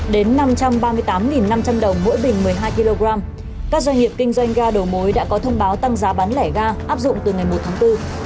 đến năm trăm ba mươi tám năm trăm linh đồng mỗi bình một mươi hai kg các doanh nghiệp kinh doanh ga đầu mối đã có thông báo tăng giá bán lẻ ga áp dụng từ ngày một tháng bốn